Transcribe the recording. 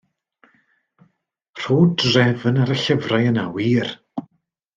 Rho drefn ar y llyfrau yna wir.